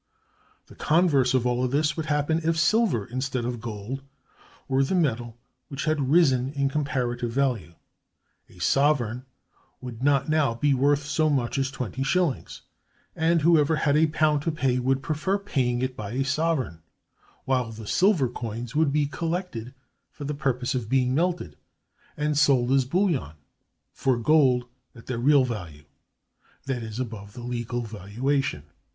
The converse of all this would happen if silver, instead of gold, were the metal which had risen in comparative value. A sovereign would not now be worth so much as twenty shillings, and whoever had a pound to pay would prefer paying it by a sovereign; while the silver coins would be collected for the purpose of being melted, and sold as bullion for gold at their real value—that is, above the legal valuation.